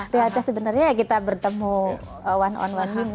realitas sebenarnya ya kita bertemu one on one ini